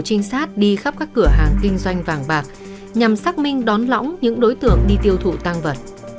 cùng với đó một tổ trinh sát đi khắp các cửa hàng kinh doanh vàng bạc nhằm xác minh đón lõng những đối tượng đi tiêu thụ tăng vật